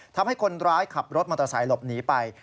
ทำให้คนร้ายขับรถมอเตอร์ไซค์หลบหนีไป